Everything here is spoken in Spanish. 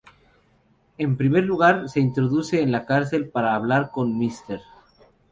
En primer lugar, se introduce en la cárcel para hablar con Mr.